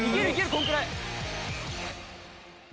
このくらい！